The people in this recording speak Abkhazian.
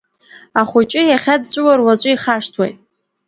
Ахәыҷы иахьа дҵәуар, уаҵәы ихашҭуеит.